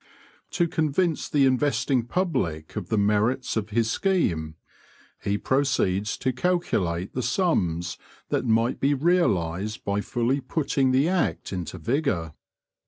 To convince the investing public of the merits of his scheme, he proceeds to calculate the sums that might be realised by fully putting the act into vigour.